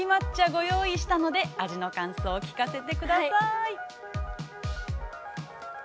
◆ご用意したので、味の感想を聞かせてください。